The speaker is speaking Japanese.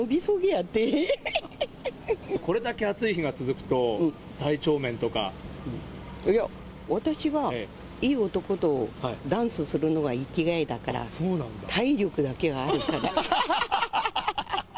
これだけ暑い日が続くと、体いや、私はいい男とダンスするのが生きがいだから、体力だけはあるから。